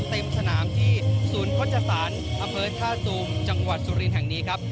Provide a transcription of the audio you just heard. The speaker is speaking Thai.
เต็มสนามที่ศูนย์โฆษศาสตร์อเฟิร์ทศาสตร์สูงจังหวัดสุรินทร์แห่งนี้ครับ